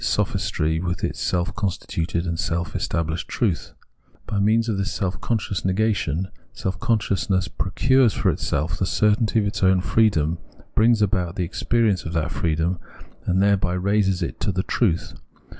sophistry with, its self constituted and self estabHsbed truth. By means of this self conscious negation, self consciousness procures for itself the certainty of its own freedom, brings about the experi ence of that freedom, and thereby raises it into the truth.